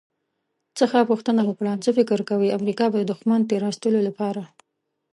څخه پوښتنه وکړه «څه فکر کوئ، امریکا به د دښمن د تیرایستلو لپاره»